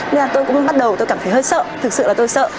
nên là tôi cũng bắt đầu tôi cảm thấy hơi sợ thực sự là tôi sợ